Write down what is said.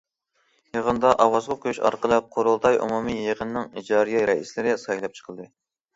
يىغىندا ئاۋازغا قويۇش ئارقىلىق قۇرۇلتاي ئومۇمىي يىغىنىنىڭ ئىجرائىيە رەئىسلىرى سايلاپ چىقىلدى.